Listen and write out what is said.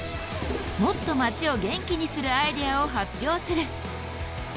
もっと街を元気にするアイデアを発表する。